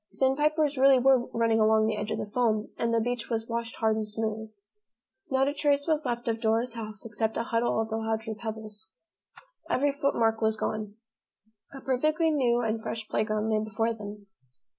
Sandpipers really were running along the edge of the foam and the beach was washed hard and smooth. Not a trace was left of Dora's house except a huddle of the larger pebbles. Every footmark was gone. A perfectly new and fresh playground lay before them.